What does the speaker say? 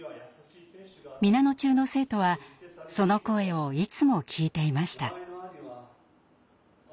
皆野中の生徒はその声をいつも聞いていました。